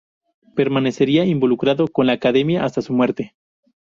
Permanecería involucrado con la Academia hasta su muerte.